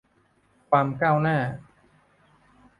ความก้าวหน้า